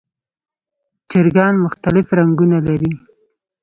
چرګان مختلف رنګونه لري.